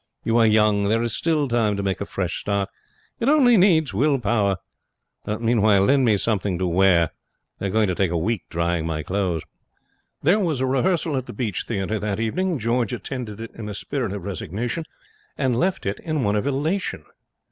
You are young. There is still time to make a fresh start. It only needs will power. Meanwhile, lend me something to wear. They are going to take a week drying my clothes.' There was a rehearsal at the Beach Theatre that evening. George attended it in a spirit of resignation and left it in one of elation.